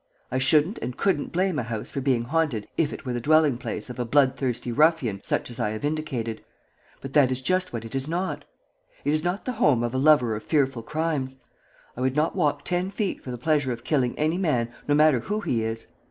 I shouldn't and couldn't blame a house for being haunted if it were the dwelling place of a bloodthirsty ruffian such as I have indicated, but that is just what it is not. It is not the home of a lover of fearful crimes. I would not walk ten feet for the pleasure of killing any man, no matter who he is.